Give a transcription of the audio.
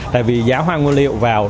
tại vì giá hoa ngu liệu vào